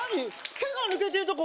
「け」が抜けてるとこ